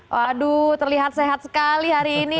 waduh terlihat sehat sekali hari ini